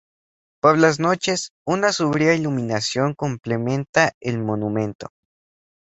Por las noches, una sobria iluminación complementa el monumento.